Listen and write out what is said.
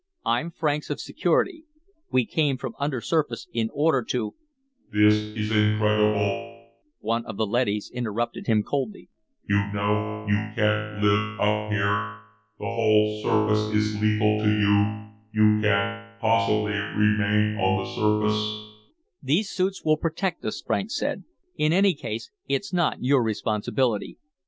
"I'm Franks of Security. We came from undersurface in order to " "This in incredible," one of the leadys interrupted him coldly. "You know you can't live up here. The whole surface is lethal to you. You can't possibly remain on the surface." "These suits will protect us," Franks said. "In any case, it's not your responsibility.